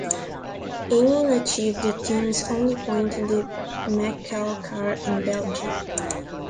Amon achieved the team's only point in the McCall car in Belgium.